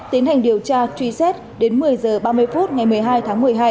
tiến hành điều tra truy xét đến một mươi h ba mươi phút ngày một mươi hai tháng một mươi hai